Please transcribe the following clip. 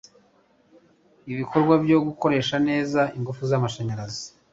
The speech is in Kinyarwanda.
ibikorwa byo gukoresha neza ingufu z'amashanyarazi